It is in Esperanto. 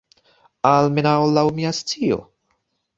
Almenaŭ laŭ mia scio.